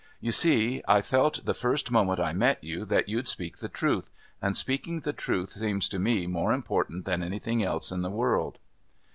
You see, I felt the first moment I met you that you'd speak the truth, and speaking the truth seems to me more important than anything else in the world."